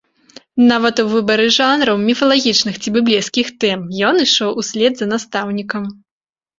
Нават у выбары жанраў, міфалагічных ці біблейскіх тэм ён ішоў услед за настаўнікам.